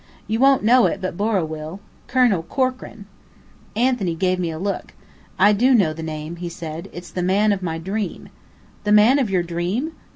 You won't know it, but Borrow will. Colonel Corkran." Anthony gave me a look. "I do know the name," he said. "It's the man of my dream." "The man of your dream?